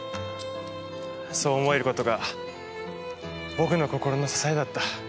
そう思えることが僕の心の支えだった。